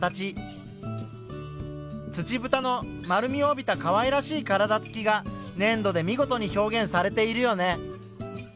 ツチブタの丸みを帯びたかわいらしい体つきがねん土で見事に表現されているよね。